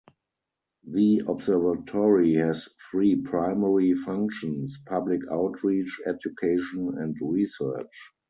The observatory has three primary functions: public outreach, education and research.